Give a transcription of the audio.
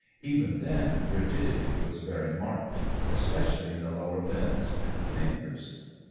Even then, rigidity was very marked, especially in the lower limbs and fingers.